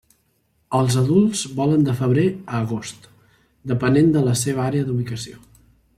Els adults volen de febrer a agost, depenent de la seva àrea d'ubicació.